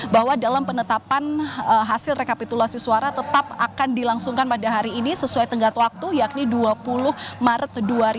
bahwa dalam penetapan hasil rekapitulasi suara tetap akan dilangsungkan pada hari ini sesuai tenggat waktu yakni dua puluh maret dua ribu dua puluh